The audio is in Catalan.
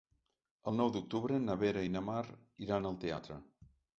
El nou d'octubre na Vera i na Mar iran al teatre.